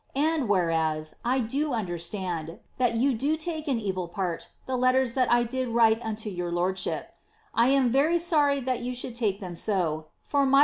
And, «herea.s 1 do understand, that you do take in evil part the letters that I did write unto your loniship. I am very sorry that you should take them so, for my